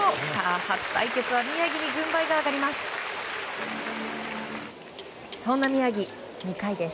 初対決は宮城に軍配が上がります。